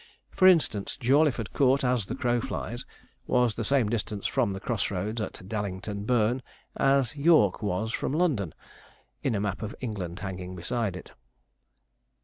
For instance, Jawleyford Court, as the crow flies, was the same distance from the cross roads at Dallington Burn as York was from London, in a map of England hanging beside it.